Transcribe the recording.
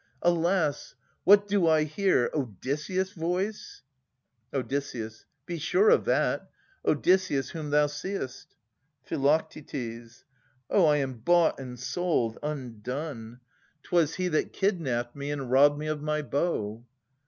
Alas! What do I hear? Odysseus' voice? Od. Be sure of that. Odysseus, whom thou seest. Phi. Oh, I am bought and sold, undone! 'Twas he 302 Philodetes [979 1006 That kidnapped me, and robbed me of my bow.